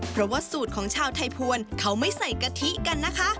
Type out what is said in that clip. เพราะว่าสูตรของชาวไทยภวรเขาไม่ใส่กะทิกันนะคะ